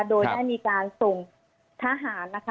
โดยได้มีการส่งทหารนะคะ